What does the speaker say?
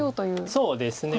そうですね。